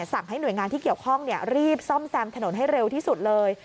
ให้หน่วยงานที่เกี่ยวข้องรีบซ่อมแซมถนนให้เร็วที่สุดเลย